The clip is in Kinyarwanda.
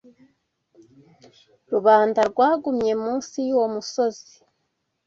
Rubanda rwagumye munsi y’uwo musozi